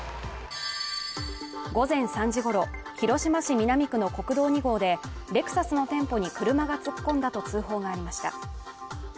午前３時ごろ広島市南区の国道２号でレクサスの店舗に車が突っ込んだと通報がありました